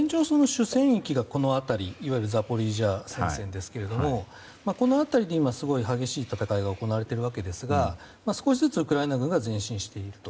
主戦域がこの辺りいわゆるザポリージャ戦線ですけどもこの辺りですごい激しい戦いが行われているわけですが少しずつウクライナ軍が前進していると。